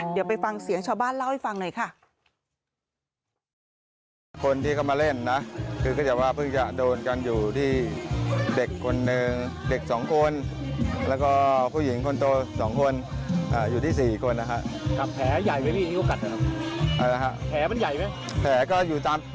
เดี๋ยวไปฟังเสียงชาวบ้านเล่าให้ฟังหน่อยค่ะ